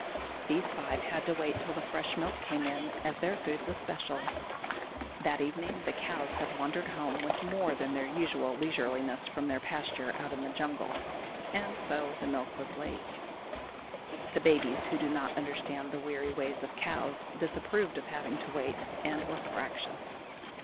These five had to wait till the fresh milk came in, as their food was special; that evening the cows had wandered home with more than their usual leisureliness from their pasture out in the jungle, and so the milk was late. The babies, who do not understand the weary ways of cows, disapproved of having to wait, and were fractious.